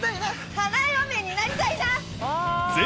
花嫁になりたいな！